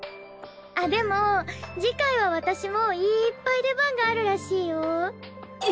あっでも次回は私もいっぱい出番があるらしいよ。